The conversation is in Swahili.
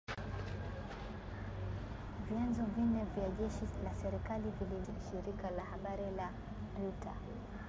vyanzo vine vya jeshi la serikali vililiambia shirika la habari la Reuter